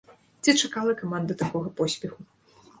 Ці чакала каманда такога поспеху?